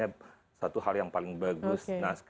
sebenarnya satu hal yang paling bagus